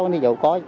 ví dụ có